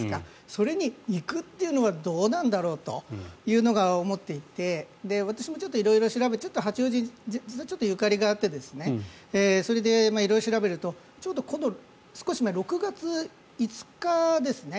それに行くっていうのはどうなんだろうというのが思っていて私もちょっと色々調べて八王子はちょっとゆかりがあってそれで、色々調べるとちょうど少し前６月５日ですね。